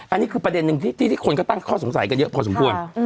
อันนี้คือประเด็นหนึ่งที่คนก็ตั้งข้อสงสัยกันเยอะพอสมควร